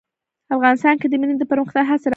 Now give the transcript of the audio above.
افغانستان کې د منی د پرمختګ هڅې روانې دي.